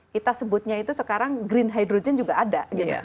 kita sebutnya itu sekarang green hydrogen juga ada